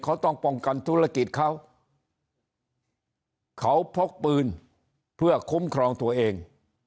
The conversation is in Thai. เขาต้องป้องกันธุรกิจเขาเขาพกปืนเพื่อคุ้มครองตัวเอง